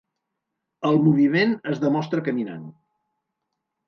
El moviment es demostra caminant.